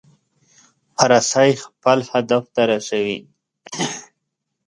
رسۍ خپل هدف ته رسوي.